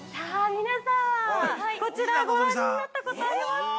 皆さん、こちらご覧になったことありますか？